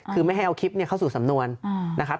คือไม่ให้เอาคลิปเข้าสู่สำนวนนะครับ